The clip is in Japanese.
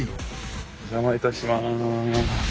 お邪魔いたします。